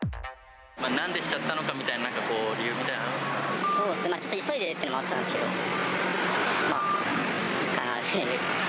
なんでしちゃったのかみたいな、そうですね、ちょっと急いでるっていうのもあったんですけど、まぁいいかなっていう。